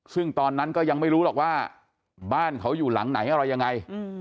ซึ่งตอนนั้นก็ยังไม่รู้หรอกว่าบ้านเขาอยู่หลังไหนอะไรยังไง